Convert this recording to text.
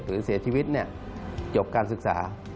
หรือเสียชีวิตจบการศึกษา